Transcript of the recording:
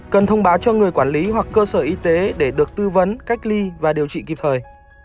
cần thông báo cho người quản lý hoặc cơ sở y tế để được tư vấn cách ly và điều trị kịp thời